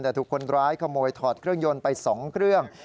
แต่ถูกคนร้ายขโมยถอดเครื่องยนต์ไป๒เครื่อง